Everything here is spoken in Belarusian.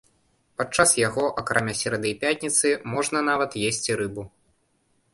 Падчас яго, акрамя серады і пятніцы, можна нават есці рыбу.